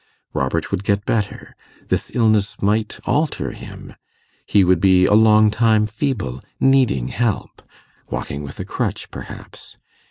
Robert would get better; this illness might alter him; he would be a long time feeble, needing help, walking with a crutch, perhaps.